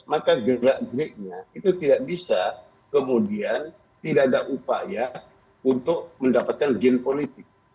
maka gerak geriknya itu tidak bisa kemudian tidak ada upaya untuk mendapatkan gen politik